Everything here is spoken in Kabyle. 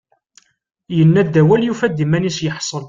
Yenna-d awal, yufa-d iman-is iḥṣel.